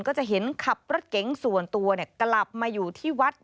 ก็จะเห็นขับรถเก๋งส่วนตัวกลับมาอยู่ที่วัด